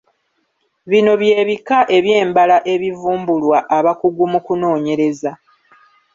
Bino bye bika eby’embala ebivumbulwa abakugu mu kunoonyereza.